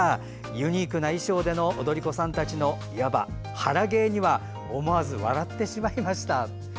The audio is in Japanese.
ユニークな衣装での踊り子さんたちのいわば腹芸には思わず笑ってしまいました。